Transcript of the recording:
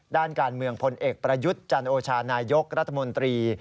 ด้านการเมืองพลเอกประยุทธ์จันโอชานายกรัฐมนตรี